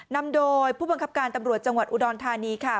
นำโดยผู้บังคับการตำรวจจังหวัดอุดรธานีค่ะ